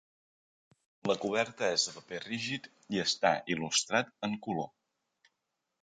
La coberta és de paper rígid i està il·lustrat en color.